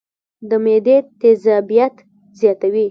د معدې تېزابيت زياتوي